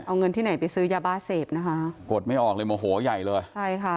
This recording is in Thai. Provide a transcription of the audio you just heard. เอาเงินที่ไหนไปซื้อยาบ้าเสพนะคะกดไม่ออกเลยโมโหใหญ่เลยใช่ค่ะ